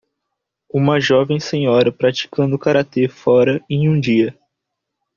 Uma jovem senhora praticando karatê fora em um dia.